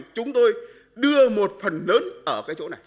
chúng tôi đưa một phần lớn ở cái chỗ này